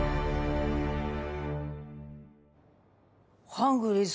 ハングリーズ